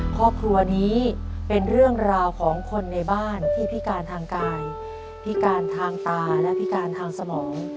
ครอบครัวนี้เป็นเรื่องราวของคนในบ้านที่พิการทางกายพิการทางตาและพิการทางสมอง